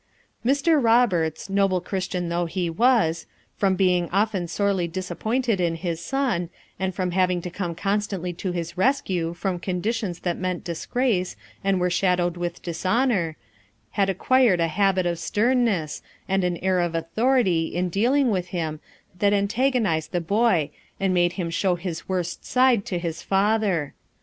Mr. Eoberts, noble Christian though he was, FOUR MOTHERS AT CHAUTAUQUA 23 from being often sorely disappointed in his son, and from having to come constantly to his res cue from conditions that meant disgrace and were shadowed with dishonor, had acquired a habit of sternness, and an air of authority in dealing with him that antagonized the hoy and made him show his worst side to his father.